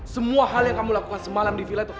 semua hal yang kamu lakukan semalam di villa itu